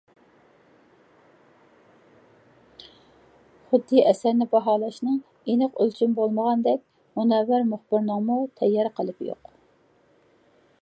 خۇددى ئەسەرنى باھالاشنىڭ ئېنىق ئۆلچىمى بولمىغاندەك مۇنەۋۋەر مۇخبىرنىڭمۇ تەييار قېلىپى يوق.